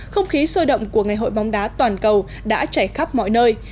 không khí sôi động của ngày hội bóng đá toàn cầu đã chảy khắp mọi nơi